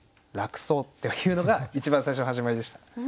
楽そうっていうのが一番最初の始まりでした。